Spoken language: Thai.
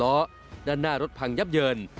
ล้อด้านหน้ารถพังยับเยิน